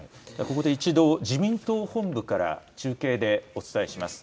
ここで１度、自民党本部から中継でお伝えします。